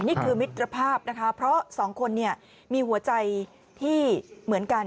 นี่คือมิตรภาพนะคะเพราะสองคนเนี่ยมีหัวใจที่เหมือนกัน